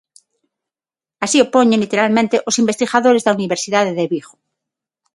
Así o poñen, literalmente, os investigadores da Universidade de Vigo.